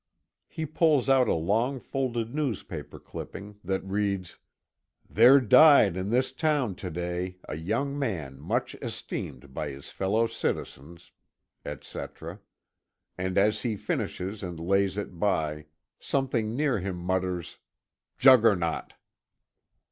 He pulls out a long folded newspaper clipping that reads: "There died in this town to day, a young man much esteemed by his fellow citizens," etc., and as he finishes and lays it by, something near him mutters, "Juggernaut!"